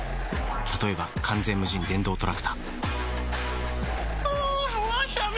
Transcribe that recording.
例えば完全無人電動トラクタあぁわさび。